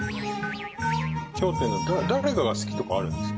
笑点の誰が好きとか、あるんですか？